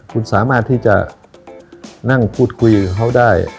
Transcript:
คุณสามารถที่จะนั่งพูดคุยกับเขาได้